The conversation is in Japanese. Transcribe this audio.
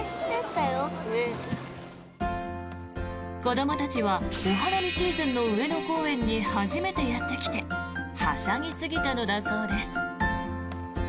子どもたちはお花見シーズンの上野公園に初めてやってきてはしゃぎすぎたのだそうです。